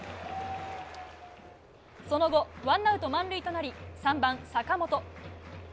その後、ワンアウト満塁となり３番、坂本。